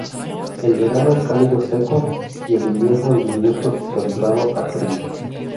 El verano es cálido seco y el invierno lluvioso de templado a frío.